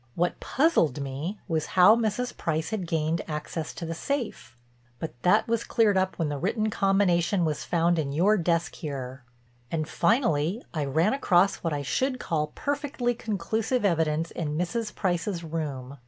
What puzzled me was how Mrs. Price had gained access to the safe, but that was cleared up when the written combination was found in your desk here; and finally I ran across what I should call perfectly conclusive evidence in Mrs. Price's room.